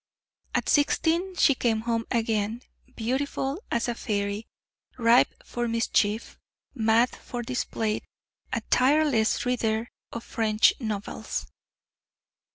At sixteen she came home again, beautiful as a fairy, ripe for mischief, mad for display a tireless reader of French novels.